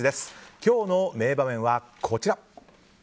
今日の名場面はこちら。